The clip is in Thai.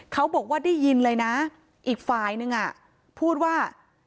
เขาบอกว่าได้ยินเลยนะอีกฝ่ายนึงพูดว่า